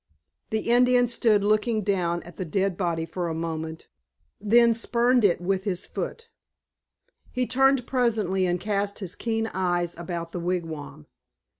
The Indian stood looking down at the dead body for a moment, then spurned it with his foot. He turned presently and cast his keen eyes about the wigwam.